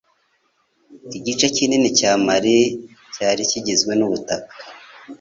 Igice kinini cya Mali cyari kigizwe n'ubutaka